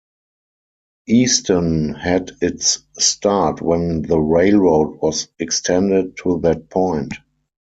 Easton had its start when the railroad was extended to that point.